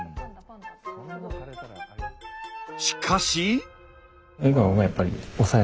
しかし。